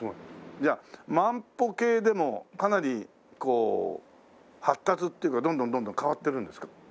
じゃあ万歩計でもかなりこう発達っていうかどんどんどんどん変わってるんですか？